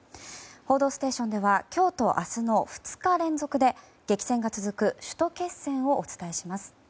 「報道ステーション」では今日と明日の２日連続で激戦が続く首都決戦をお伝えします。